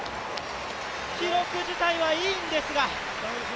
記録自体はいいんですが。